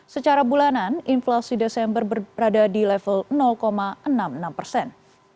secara bulanan inflasi desember berada di level enam puluh enam persen